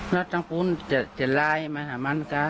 รักทางครูจะล้อมาหาแม่มันกะ